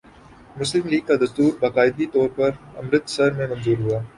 مسلم لیگ کا دستور باقاعدہ طور پر امرتسر میں منظور ہوا